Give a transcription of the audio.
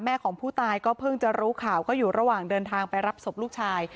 ของผู้ตายก็เพิ่งจะรู้ข่าวก็อยู่ระหว่างเดินทางไปรับศพลูกชาย